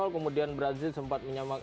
kemudian brazil sempat menyambut